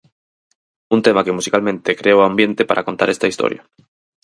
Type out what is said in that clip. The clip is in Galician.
Un tema que musicalmente crea o ambiente para contar esta historia.